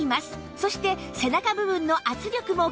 そして背中部分の圧力も軽減